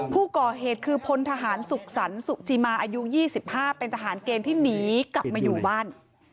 ผู้ก่อเหตุคือพลทหารสุขสรรคสุจิมาอายุ๒๕เป็นทหารเกณฑ์ที่หนีกลับมาอยู่บ้าน